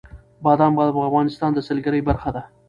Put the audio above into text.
بادام د افغانستان د سیلګرۍ برخه ده.